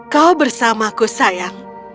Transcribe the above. kau bersamaku sayang